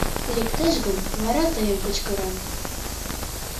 Лектеш гын, вара тыйым кычкырем.